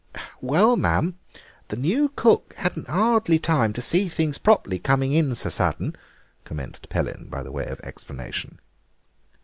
"Well, ma'am, the new cook hadn't hardly time to see to things properly, coming in so sudden—" commenced Pellin by way of explanation.